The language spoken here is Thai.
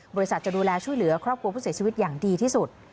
จะดูแลช่วยเหลือครอบครัวผู้เสียชีวิตอย่างดีที่สุด